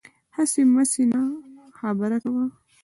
هسې مسې نه، خبره کوه